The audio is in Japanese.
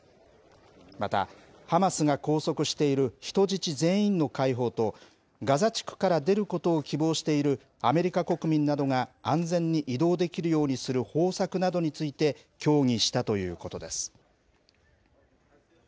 またハマスが拘束している人質全員の解放と、ガザ地区から出ることを希望しているアメリカ国民などが安全に移動できるようにする方策などについて、協議したということです。